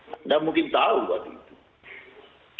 anda mungkin tahu waktu itu